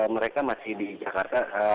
mereka masih di jakarta